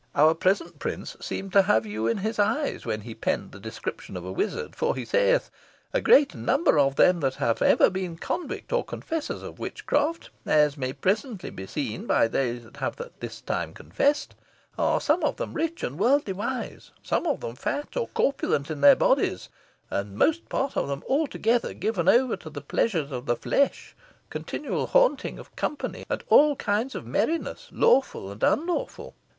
"Our present prince seems to have had you in his eye when he penned his description of a wizard, for, he saith, 'A great number of them that ever have been convict or confessors of witchcraft, as may be presently seen by many that have at this time confessed, are some of them rich and worldly wise; some of them fat or corpulent in their bodies; and most part of them altogether given over to the pleasures of the flesh, continual haunting of company, and all kinds of merriness, lawful and unlawful.'